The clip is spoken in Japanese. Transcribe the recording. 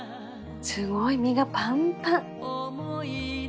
すごい身がパンパン。